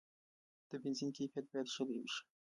د بنزین کیفیت باید ښه شي.